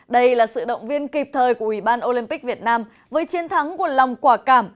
đây là sự động viên kịp thời của ubnd việt nam với chiến thắng của lòng quả cảm